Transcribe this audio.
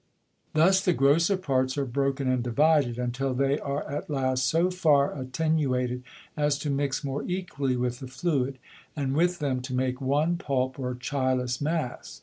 Thus the grosser Parts are broken and divided, until they are at last so far attenuated as to mix more equally with the Fluid, and with them to make one Pulp or Chylous Mass.